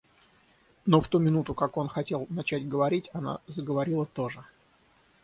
Но в ту минуту, как он хотел начать говорить, она заговорила тоже.